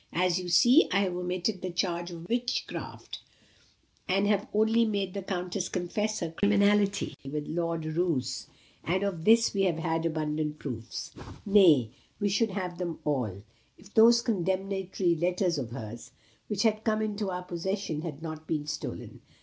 As you see, I have omitted the charge of witchcraft, and have only made the Countess confess her criminality with Lord Roos, and of this we have had abundant proofs; nay, we should have them still, if those condemnatory letters of hers, which had come into our possession, had not been stolen.